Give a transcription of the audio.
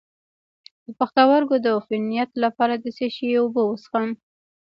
د پښتورګو د عفونت لپاره د څه شي اوبه وڅښم؟